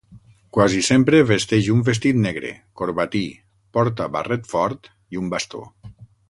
Quasi sempre vesteix un vestit negre, corbatí, porta barret fort i un bastó.